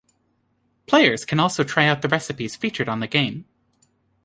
Players can also try out the recipes featured on the game.